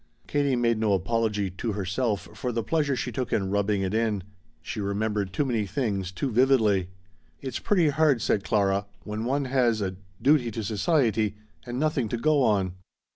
Katie made no apology to herself for the pleasure she took in "rubbing it in." She remembered too many things too vividly. "It's pretty hard," said Clara, "when one has a duty to society, and nothing to go on."